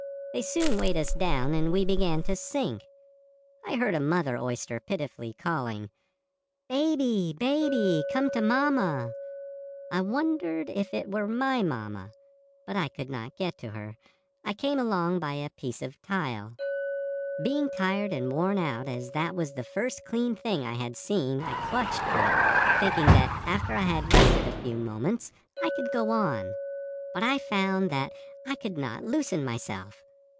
They soon weighted us down and we began to sink. I heard a mother oyster pitifully calling, 'Baby, baby, come to mamma.' I wondered if it were my mamma, but I could not get to her. I came along by a piece of tile. Being tired and worn out, as that was the first clean thing I had seen I clutched to it, thinking that after I had rested a few moments I could go on. But I found that I could not loosen myself.